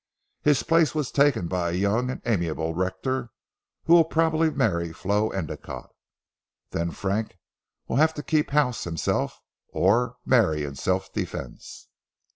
His place was taken by a young and amiable rector, who will probably marry Flo Endicotte. Then Frank will have to keep the house himself or marry in self defence.